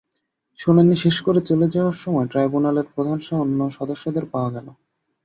শুনানি শেষ করে চলে যাওয়ার সময় ট্রাইব্যুনালের প্রধানসহ অন্য সদস্যদেরও পাওয়া গেল।